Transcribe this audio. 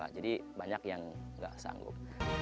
jadi banyak yang tidak sanggup